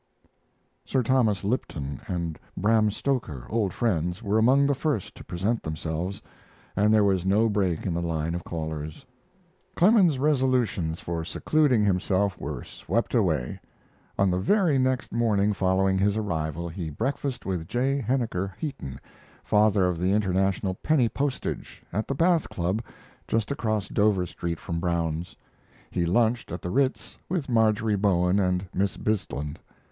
Sir Thomas Lipton and Bram Stoker, old friends, were among the first to present themselves, and there was no break in the line of callers. Clemens's resolutions for secluding himself were swept away. On the very next morning following his arrival he breakfasted with J. Henniker Heaton, father of International Penny Postage, at the Bath Club, just across Dover Street from Brown's. He lunched at the Ritz with Marjorie Bowen and Miss Bisland.